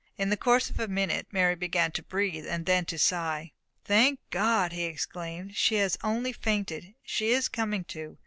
In the course of a minute Mary began to breathe, and then to sigh. "Thank God!" he exclaimed, "she has only fainted! she is coming to!